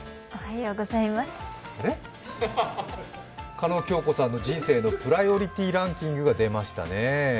叶恭子さんの人生のプライオリティーランキングが出ましたね。